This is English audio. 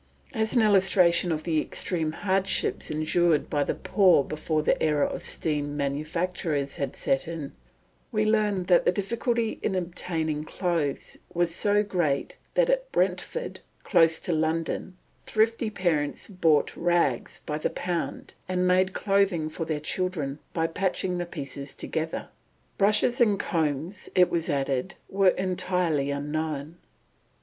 As an illustration of the extreme hardships endured by the poor before the era of steam manufactures had set in, we learn that the difficulty in obtaining clothes was so great that at Brentford, close to London, thrifty parents bought rags by the pound, and made clothing for their children by patching the pieces together. Brushes and combs, it is added, were entirely unknown.